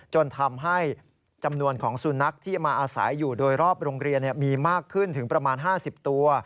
จนทำให้จำนวนของสุนัขที่มาอาศัยอยู่โดยรอบโรงเรียนมีมากขึ้นถึงประมาณ๕๐ตัว